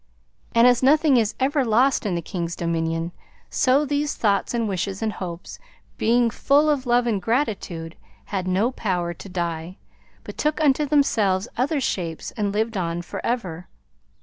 And as nothing is ever lost in the King's Dominion, so these thoughts and wishes and hopes, being full of love and gratitude, had no power to die, but took unto themselves other shapes and lived on forever.